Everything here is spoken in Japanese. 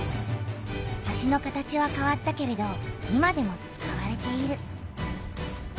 橋の形はかわったけれど今でも使われている。